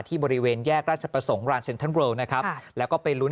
บริเวณแยกราชประสงค์รานเซ็นทรัลเวิลนะครับแล้วก็ไปลุ้น